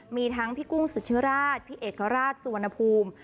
มีทั้งพี่กุ้งสุดเชือราชพี่เอกราชสุวันภูม์